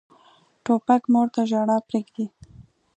توپک مور ته ژړا پرېږدي.